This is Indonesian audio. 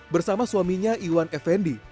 bersama suaminya iwan effendi